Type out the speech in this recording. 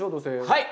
はい！